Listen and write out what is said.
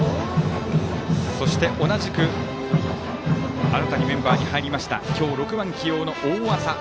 そして、同じく新たにメンバーに入りました今日、６番起用の大麻。